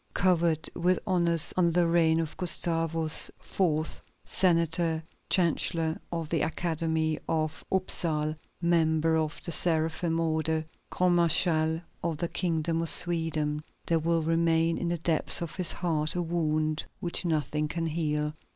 Covered with honors under the reign of Gustavus IV., senator, chancellor of the Academy of Upsal, member of the Seraphim Order, grand marshal of the kingdom of Sweden, there will remain in the depths of his heart a wound which nothing can heal.